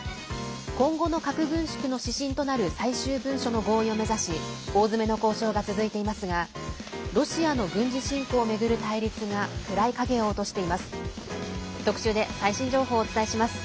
今後の核軍縮の指針となる最終文書の合意を目指し大詰めの交渉が続いていますがロシアの軍事侵攻を巡る対立が暗い影を落としています。